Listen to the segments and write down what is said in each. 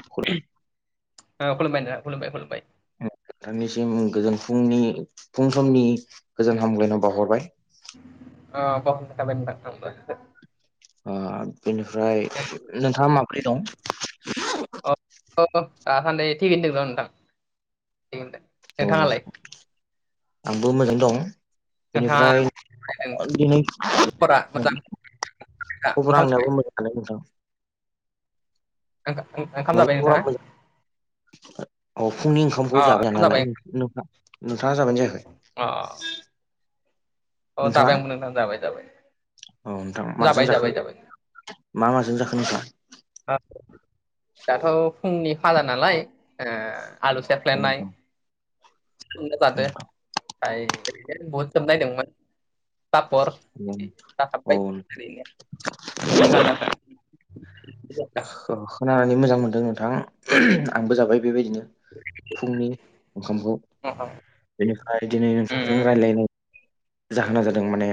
[unintelligible] ओ खुलुमबाय नोंथां खुलुमबाय खुलुमबाय नोंथांनिसिम गोजोन फुंनि फुं समनि गोजोन हामग्लायनाय बाउहरबाय ओ बाउहरनाय थाबाय नोंथां आंबो ओ बेनिफ्राय नोंथाङा माब्रै दं अ अ दाहानदै थिगैनो दों र' नोंथां थिगैनो दों औ नोंथां आंबो मोजाङै दं नोंथाङा बेनिफ्राय मारै दं खबरा मोजां [unintelligible] ओंखाम खबरा जाबाय आंनियाबो मोजां खालाय नोंथां ओं-ओं-ओंखाम आंनाबो जाबाय खबरा नोंथाङा मोजां औ फुंनि अ ओंखामखौ जाबाय ओंखाम नालाय नोंथा-नोंथाङा जाबायना जायाखै अ अ नोंथाङा जाबाय आंबो जाबाय जाबाय औ नोंथां माजों जाबाय जाबाय जाखो जाबाय मा माजों जाखो नोंथाङा? ओ दाथ' फुंनि फाला नालाय ओ आलु औ सेफ्ले नोंथां नाय। नो जादो बाय बुहुदखोनो नायदोमोन। तापर बिदि औ जाखाबबाय ओरैनो खनि खाजाखो खोनानानै मोजां मोनदों नोंथां उमह आंबो जाबाय बेबायदिनो फुंनि ओंखामखौ अ बेनिफ्राय दिनै उम नोंसोरजों रायलायनो जाहोना जादों माने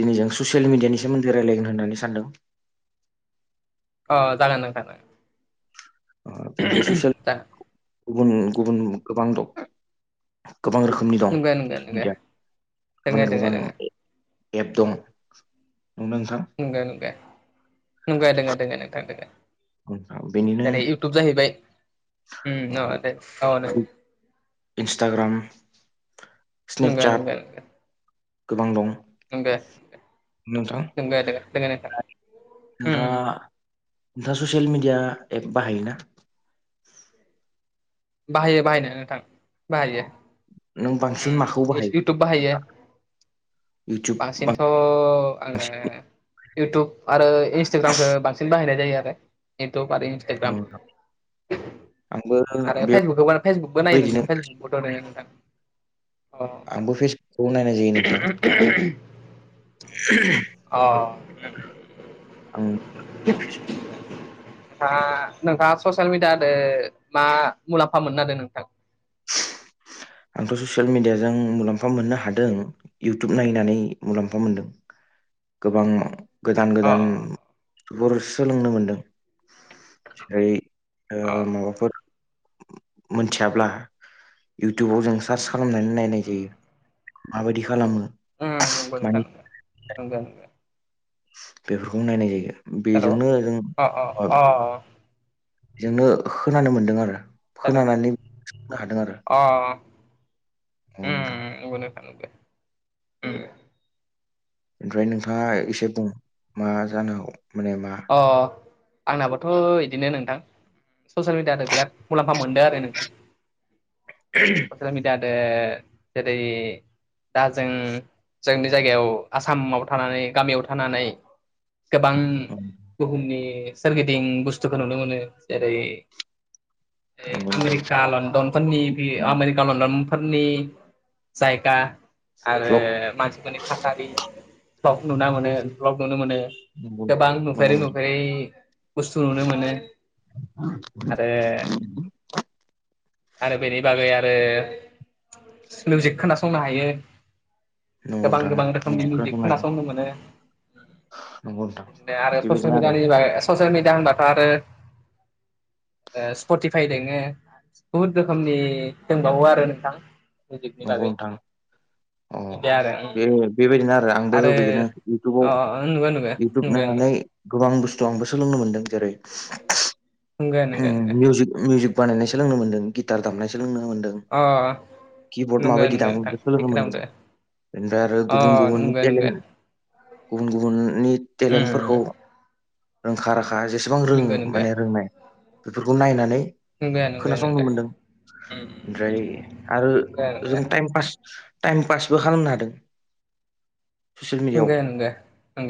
दिनै जों ससियेल मिडियानि सोमोन्दै रायलायगोन होननानै सानदों। ओ जागोन नोंथां। ओ बेनिफ्राय सुसेल दा गुबुन गुबुन गोबां दं। गोबां रोखोमनि दं नंगौ नंगौ नंगौ दिया दोङो गुबुन दोङो गोबां। दोङो एप दं नंगोना नोंथां। नुंगो नुंगो नुंगो दङो दोङ नोंथां दोङो उ आह बेनिनो दुब जाहैबाय उम अ दे अ दे इन्स्टाग्राम नुंगो नुंगो नुंगो गोबां दं। नुंगो नोंथां नुंगो दोङो दोङो नोंथां। उम नोंथाङा उम नोंथाङा ससियेल मिडिया एप बाहायोना? बाहायो बाहायनाया नोंथां बाहायो। नों बांसिन उम माखौ एस बाहायो इटुब बाहायो इउटुब बांसिन अ आङो इउटुब आरो इन्सटाग्रामखौ बांसिन बाहायनाय जायो आरो इउटुब आरो इन्स औ। आरो फेसबुकखौ ब फेसबुकबो नायो बेबायदिनो नोंथो फेसबुकखौथ' नोंथां। अ आंबो फेसबुक खौ नायनाय जायो नोंथाङा। [inaudible] अ। आं नों नोंथाङा ससियेल मिडियादो मा मुलाम्फा मोनदों हादों नोंथां? [inaudible] आंथ' ससियेल मिडियाजों मुलाम्फा मोननो हादों। इउटुब नायनानै मुलाम्फा मोनदों गोबां। गोदान अ गोदानफोर सोलोंनो मोनदों जेरै अ माबाफोर मोनथियाब्ला इउटुबाव जों सार्च खालामनानै नायनाय जायो माबायदि खालामो। उम नंगौ माने नोंथां नुंगो बेफोरखौ नायनाय जायो हेलौ बेजोंनो जों। अ अ अ बेजोंनो खोनानो मोनदों आरो हेलौ खोनानानै संनो हादों आरो। अ। अ दा। थांगो ओमफ्राय नोंथाङा एसे बुं मा जागौ माने मा अ आंनाबोथ' बिदिनो नोंथां। ससियेल मिडियाथ बिराद मुलाम्फा मोनदों आरो नोंथां। [inaudible] [unintelligible] जेरै- दा जों जोंनि जायगायाव आसामाव थानानै गामियाव थांनानै गोबां। बुहुमनि सोरगिदिं बुस्थुखौ नुनो मोनो जेरै ए नंगौ नोंथां आमेरिका लण्डनफोरनि आमेरिका लनडनफोरनि सायका आरो भ्लग मानफोरनि थासारि ब्लक नुना मोनो ब्लक नुनो मोनो नंगौ गोबां न नंगौ नुफेरै नोंथां नुफेरै बुस्थु नुनो मोनो आरो आरो बेनि बागै आरो स्लजेक खोनासंनो हायो। नंगौ गोबां नोंथां गोबां रोखोमनि मिउजिक खोनासंनो मोनो। नोंगौ नोंथां बिदिनो आरो ससियेल बेबायदिनो आरो मिडियानि ससियेल मिडिया होनबाथ' आरो स्पटिफाय दङ। बुहुद रोखोमनि दंबावो आरो नोंथां। मिउजिकनि नंगौ बागै। नोंथां अ बिदि आरो उम बे बेबायदिनो आरो आंबो बिदिनो अ इउटुबाव नंगौ नंगौ इउटुब नंगौ नायनानै। गोबां बुस्थु आंबो सोलोंनो मोनदों जेरै नंगौ नंगौ नंगौ मिउजिक मिउजिक बानायनाय सोलोंनो मोन्दों गिटार दामनाय सोलोंनो मोन्दों अ किबर्ड नंगौ माबायदि नंगौ दां नोंथां बेखौ थिग सोलोंनो खालामदो मोनदों। बेनिफ्राय आरो अ गुबुन गुबुन नंगौ नंगौ टेलन्ट गुबुन गुबुननि उम टेलेन्टफोरखौ। रोंखा राखा जेसेबां रोङो नंगौ नंगौ माने रोंनाय बेफोरखौ नायनानै नंगो नंगो खोनासंनो नंगो मोनदों ओमफ्राय आरो। नंगौ जों नंगौ टाइमपास टाइम पासबो खालामनो हादों। ससियेल मिडियाआव नंगो नंगो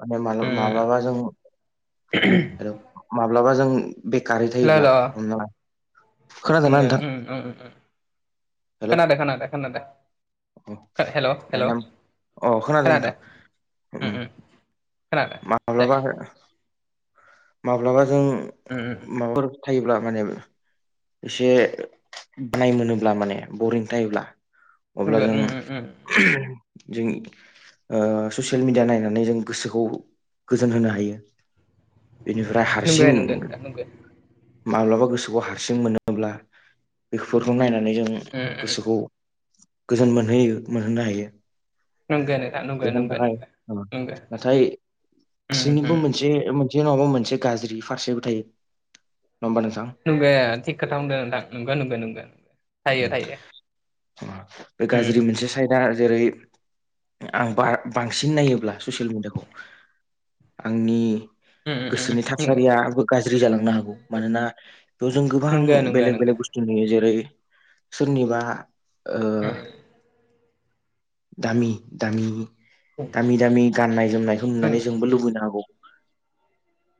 माने माब्लाबा जों, हेलौ माब्लाबा जों बेखारै थायोब्ला, हमना ला खोनादोंना नंगो नोंथां उम उम उम हेलौ खोनादो खोनादो खोनादो अ हेल' हेल' माने अ खोनादों खोनादो नोंथां उम उम खोनादो दे माब्लाबा माब्लाबा जों उम उम माबाफोर थायोब्ला माने एसे बानाय मोनोब्ला माने बरिं थायोब्ला अब्ला नंगौ जों उम उम [unintelligible] जों ओ ससियेल मिडिया नायनानै जों गोसोखौ गोजोन होनो हायो। बेनिफ्राय नंगौ हारसिं, नंगौ नोंथां नंगौ उम माब्लाबा गोसोखौ हारसिं मोनोब्ला बेफोरखौ नायनानै जों उम गोसोखौ गोजोन मोनहोयो मोनहोनो हायो नंगौ नोंथां नंगौ बेफोरनो नंगौ थाखाय, नंगौ नंगौ नाथाय उम गासोंनिबो उम मोनसे मोन जोंनावबो मोनसे गाज्रि फारसेबो थायो। नङा होमबा नोंथां! नोंगो थिग खोथा होनदों नोंथां। नंगौ नंगौ नंगौ थायो उम थायो। उम आमफ्राय दा जेरै आं बा बांसिन नायोब्ला ससियेल मिडियाखौ आंनि उम उम गोसोनि नंगौ थासारिया गाज्रि जालांनो हागौ। मानोना बेयाव जों गोबां नंगौ नंगौ बेलेक नंगौ बेलेग बुस्थु नुयो जेरै सोरनिबा ओ उम दामि दामि दामि दामि गाननाय जोमनायखौ उम नुनानै जोंबो लुबैनो हागौ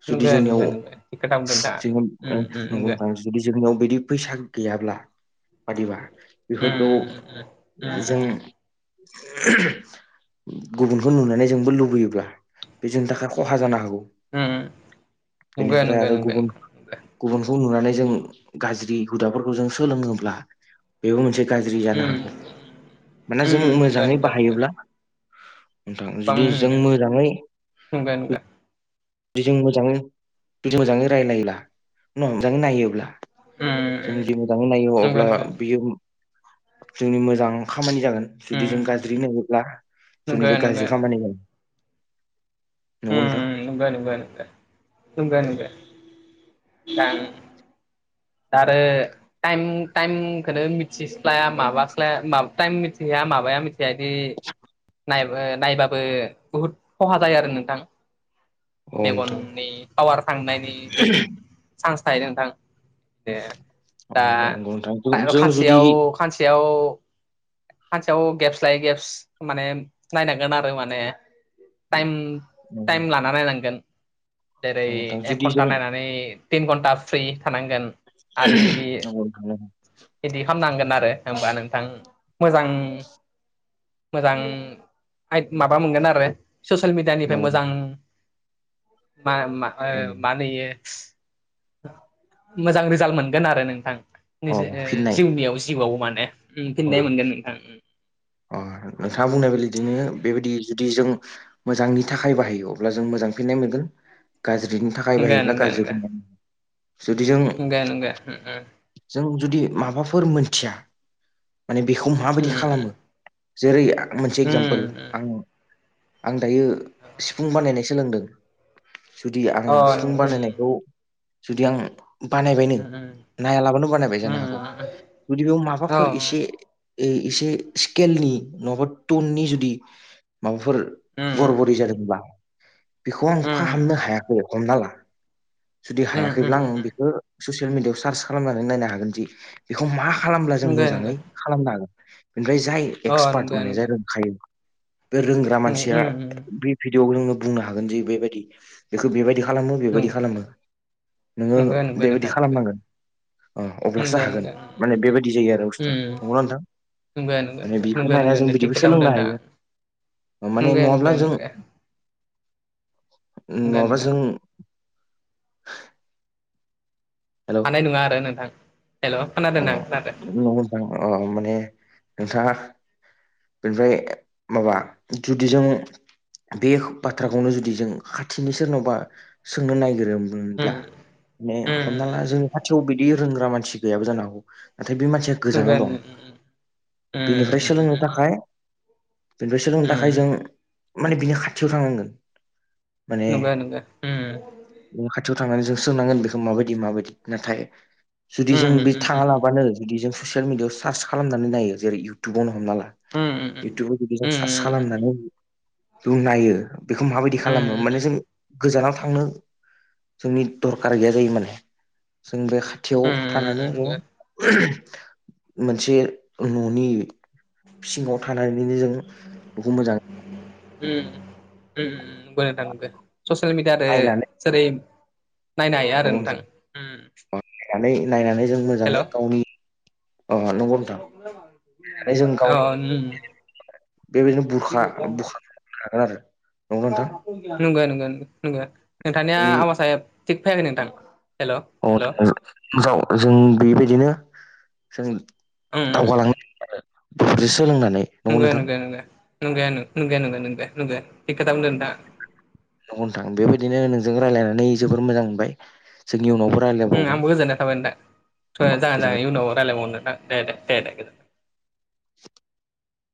जुदि नंगौ नंगौ जोंनियाव नंगौ थिग खोथा बुंदों [unintelligible] नोंथाङा जों उम उम नंगौ नोंथां जुदि जोंनियाव बिदि फैसा गैयाब्ला बादिबा उम बेफोरखौ उम उम जों [unintelligible] गुबुनखौ नुनानै जोंबो लुबैयोब्ला, बे जोंनि थाखाय खहा जानो हागौ नंगौ बेनिफ्राय नंगौ आरो नंगौ नोंथां गुबुन नंगौ गुबुनखौ नुनानै जों गाज्रि हुदाफोरखौ जों सोलोंनोब्ला बेबो मोनसे गाज्रि जानो उम हागौ। मानोना जों उम नंगौ मोजाङै नंगौ बाहायोब्ला नोंथां बां जुदि जों मोजाङै नंगो नंगो बिदि मोजाङै बि मोजाङै रायजलायोब्ला न मोजाङै नायोब्ला जों जुदि उम मोजाङै नायो नंगौ अब्ला नंगौ बियो जोंनि मोजां खामानि जागोन जुदि जों उम गाज्रि नायोब्ला जोंनि नंगौ बे नंगौ गाज्रि खामानिखौ उम नंगो नंगो नंगो। नंगो नंगो। दान आरो टाइम टाइमखौनो मिथिस्लाया माबास्लाया माबा टाइम मिथिया माबाया मिथि बेबायदि नायबो-नायबाबो बुहुद खहा जायो आरो नों थां अ नोंथां मेगननि पावार थांनायनि चान्स थायो नोंथां दे अ दा नंगौ नोंथां जों जुदि खा-खानसेयाव खानसेयाव सानसेयाव गेप्स लायै गेब्स माने नायनांगोन आरो माने टाइम नंगौ टाइम लाना नायनांगोन जेरै नोंथां एक जुदि घन्टा जों नायनानै तिन घन्टा फ्रि थानांगोन। आरो इदि [unintelligible] इदि खालामनांगोन आरो होमबा नोंथां मोजां मोजां [unintelligible] माबा मोनगोन आरो ससियेल मिडियानिफ्राय नंगौ मोजां मा मा ओ नंगौ। मा होनो इयो? मोजां रिजाल्ट मोनगोन आरो नोंथां अ निजि ओ फिननाय जिउनियाव जिउआव माने ओम अ फिननाय मोनगोन नोंथां। अ नोंथाङा बुंनाय इदिनो बेबायदि जुदि जों मोजांनि थाखाय बाहायो अब्ला जों मोजां फिननाय मोनगोन। गाज्रिनि थाखाय नंगो बाहायोब्ला नंगो गाज्रि फिन्नाय जुदि जों जागोन दे ओं ओं। जों जुदि माबाफोर मोनथिया माने बेखौ माबायदि उम खालामो जेरै आं मोनसे एगजामपोल उम उम आं, आं दायो सिफुं बानायनाय सोलोंदों, जुदि आं उम अ नंगौ सिफुं उम बानायनायखौ जुदि आं बानायबायनो उम उम नायालाबानो बानायबाय जानो हागौ। उम जुदि बेयाव माबाफोर ए से औ ए-एसे स्केलनि नङाबा टननि जुदि माबाफोर गरबरि जादोंब्ला बेखौ आं उम फाहामनो उम हायाखै हमना ला, जुदि उम उम हायाखैब्ला आं उम बेखो ससियेल मिडियायाव सार्च खालामनानै नायनो हागोन दि, बेखौ मा खालामब्ला जों नंगौ नंगौ मोजाङै खालामनो हागोन। बेनिफ्राय जाय अ एक्सपार्ट नंगौ माने जाय नंगौ रोंखायो बे रोंग्रा उम मानसिया उम उम बे भिडिअ'आव जोङो बुंनो हागोनदि बेबायदि बेखौ बेबायदि खालामो नं बेबायदि खालामो, नोङो नंगौ नंगौ नोंथां बेबायदि खालामनांगोन। अ अब्लासो नंगौ हागोन नंगौ नंगौ माने बेबायदि जायो आरो बुस्थुया। उम नंगौना नोंथां? नंगौ नंगौ माने बिखौ नंगौ नायना नंगौ जों नंगौ थिग बिदिबो खोथा बुंदों सोलोंनो नोंथाङा हायो। माने नंगौ नङाब्ला नंगौ जों, नंगौ नंगौ नङाब्ला नंगौ जों हेलौ हानाय नङा आरो नोंथां हेल'। अ खोनादों ना खोनादों न [unintelligible] अ माने नोंथाङा बेनिफ्राय माबा जुदि जों बे बाथ्राखौनो जुदि जों खाथिनि सोरनावबा सोंनो नायगिरोमोनब्ला उम माने उम हमना ला जोंनि खाथियाव बिदि रोंग्रा मानसि गैयाबो जानो हागौ। नाथाय बे मानसिया गोजानाव नंगौ दं। उम बेनिफ्राय उम उम सोलोंनो थाखाय उम बिनिफ्राय सोलोंनो थाखाय जों माने बिनि खाथियाव थांनांगोन। माने नंगौ नंगौ उम बिनि खाथियाव थांनानै जों सोंनांगोन बेखौ माबायदि माबायदि। नाथाय जुदि जों उम बे उम थाङा लाबानो जुदि जों ससियेल मिडिआव सार्च खालामनानै नायो जेरै इउटुबावनो हमना ला। इउटुबाव जुदि जों उम सार्च उम खालामनानै जों नायो। बेखौ माबायदि खालामो? माने उम जों गोजानाव थांनो जोंनि दरखार गैया जायो माने। जों बे खाथियाव थानानै उम नंगौ [unintelligible] मोनसे न'नि सिङाव थानानैनो जों बेखौ मोजां उम उम [unintelligible] ससियेल मिडियादो जेरै नायनो हायो न आरो नोंथां उम नायनानै नायनानै उम जों हेल' मोजाङै गावनि अ नंगौ नोंथां माने जों अ गावनि उम बेबायदिनो बुरखा बुरखा लागोन आरो नंगौ नोंथां नंगौ नंगो नंगौ नोंथांनिया जोंनि आवाज थिग फैयाखै नोंथां हेल' आव हेल' [unintelligible] जों बेबायदिनो जों उम दावगाालाङो आरो बेफोरजों सोलोंनानै नंगौ नंगो नोंथां नंगो नंगो नंगौ नंगौ नंगौ नंगो नंगो थिग खोथा बुंदों नोंथाङा नंगौ नोंथां बेबायदिनो नोंजों रायजलायनानै जोबोर मोजां मोनबाय जोंनि उनाव रायलाय ओ आंबो गोजोननाय थाबाय गोजोननाय नोंथां [unintelligible] इयुनाव रायलायबावनो दे दे दे दे [inaudible]